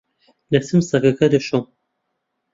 دەچم سەگەکە دەشۆم.